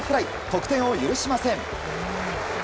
得点を許しません。